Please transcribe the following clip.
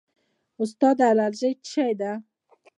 استاده الرژي څه شی ده